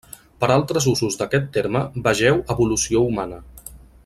Per a altres usos d'aquest terme vegeu Evolució humana.